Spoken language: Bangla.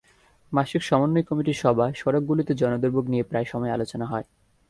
মাসিক সমন্বয় কমিটির সভায় সড়কগুলোতে জনদুর্ভোগ নিয়ে প্রায় সময় আলোচনা হয়।